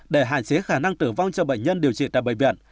để hạn chế khả năng tử vong cho bệnh nhân điều trị tại bệnh viện